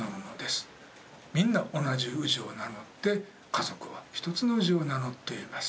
みんな同じ氏を名乗って家族は一つの氏を名乗っています。